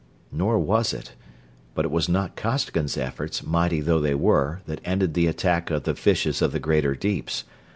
Nor was it; but it was not Costigan's efforts, mighty though they were, that ended the attack of the fishes of the greater deeps.